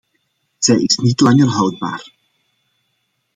Zij is niet langer houdbaar.